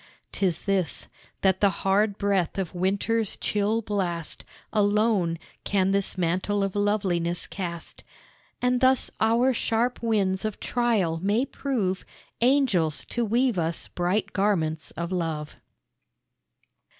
'Tis this that the hard breath of winter's chill blast Alone can this mantle of loveliness cast; And thus our sharp winds of trial may prove Angels to weave us bright garments of love.